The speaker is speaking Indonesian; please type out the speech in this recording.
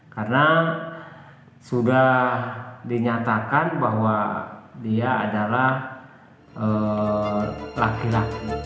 karena sudah dinyatakan bahwa dia adalah laki laki